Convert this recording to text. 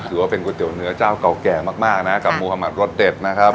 ว่าเป็นก๋วยเตี๋ยวเนื้อเจ้าเก่าแก่มากนะกับมุธมัติรสเด็ดนะครับ